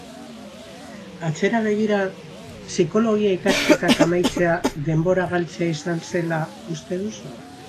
Atzera begira, psikologia ikasketak amaitzea denbora galtzea izan zela uste duzu?